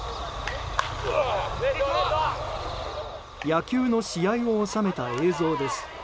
野球の試合を収めた映像です。